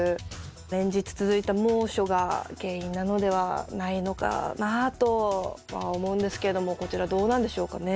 連日続いた猛暑が原因なのではないのかなとは思うんですけれどもこちらどうなんでしょうかね。